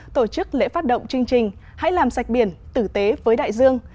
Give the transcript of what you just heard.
tổ chức lễ phát động chương trình hãy làm sạch biển tử tế với đại dương